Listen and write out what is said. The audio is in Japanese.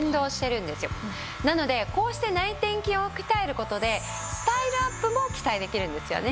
なのでこうして内転筋を鍛える事でスタイルアップも期待できるんですよね。